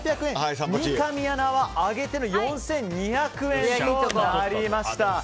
三上アナは上げての４２００円となりました。